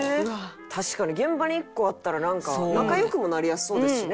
確かに現場に１個あったらなんか仲良くもなりやすそうですしね。